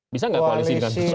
bisa nggak koalisi dengan